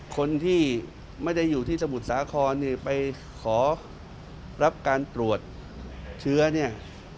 คนที่ไม่ได้อยู่ที่สมุทรสาครเนี่ยไปขอรับการตรวจเชื้อเนี่ย